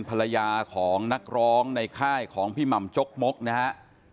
ภรรยาของนักร้องในค่ายของพี่หม่ำจกมกนะฮะ